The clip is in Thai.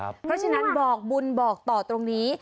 เพราะฉะนั้นบอกบุญบอกต่อตรงนี้